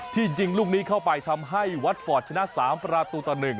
ยิงลูกนี้เข้าไปทำให้วัดฟอร์ดชนะ๓ประตูต่อ๑